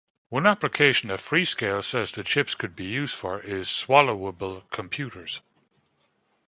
One application that Freescale says the chips could be used for is swallowable computers.